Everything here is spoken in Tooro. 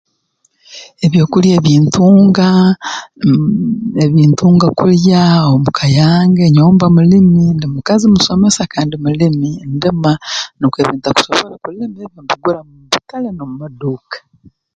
Ebyokulya ebintunga mmh ebintunga kulya omu ka yange nyowe mba mulimi ndi mukazi musomesa kandi mulimi ndima nukwo ebintakusobora kulima ebyo mbigura mu butale n'omu maduuka